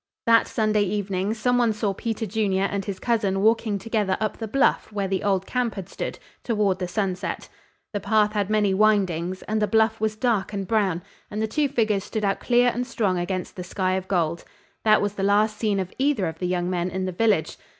That Sunday evening some one saw Peter Junior and his cousin walking together up the bluff where the old camp had stood, toward the sunset. The path had many windings, and the bluff was dark and brown, and the two figures stood out clear and strong against the sky of gold. That was the last seen of either of the young men in the village.